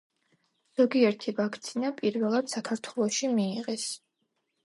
ზოგიერთი ვაქცინა პირველად საქართველოში მიიღეს.